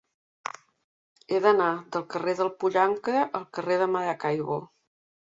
He d'anar del carrer del Pollancre al carrer de Maracaibo.